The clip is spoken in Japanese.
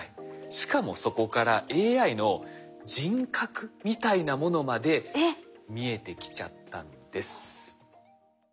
しかもそこからＡＩの人格みたいなものまで見えてきちゃったんです。